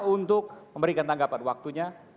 untuk memberikan tanggapan waktunya